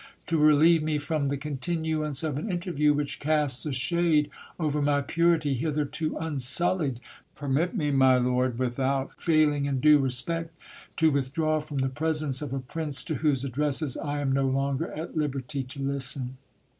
To relieve from the continuance of an interview, which casts a shade over my purity hitherto unsullied, permit me, my lord, without failing in due respect, to with draw from the presence of a prince to whose addresses I am no longer at liberty to listen.